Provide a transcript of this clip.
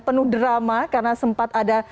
penuh drama karena sempat ada